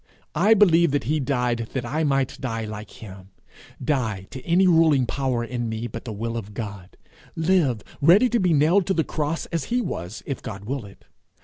I believe that he died that I might die like him die to any ruling power in me but the will of God live ready to be nailed to the cross as he was, if God will it.